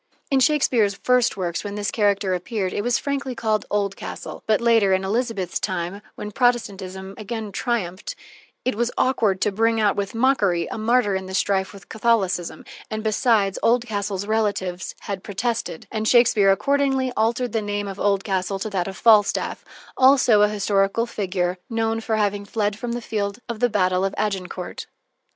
In Shakespeare's first works, when this character appeared, it was frankly called "Oldcastle," but later, in Elizabeth's time, when Protestantism again triumphed, it was awkward to bring out with mockery a martyr in the strife with Catholicism, and, besides, Oldcastle's relatives had protested, and Shakespeare accordingly altered the name of Oldcastle to that of Falstaff, also a historical figure, known for having fled from the field of battle at Agincourt.